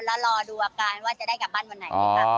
แล้วรอดูอาการว่าจะได้กลับบ้านวันไหนค่ะ